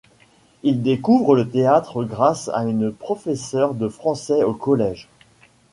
Il découvre le théâtre grâce à une professeur de français au collège.